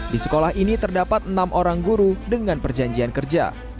di sekolah ini terdapat enam orang guru dengan perjanjian kerja